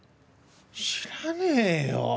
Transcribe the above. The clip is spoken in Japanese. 知らねえよ